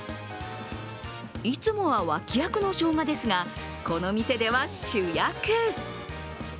いつもは脇役のしょうがですが、この店では主役。